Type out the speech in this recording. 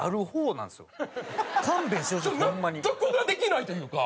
納得ができないというか。